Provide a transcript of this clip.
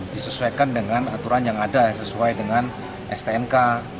disesuaikan dengan aturan yang ada sesuai dengan stnk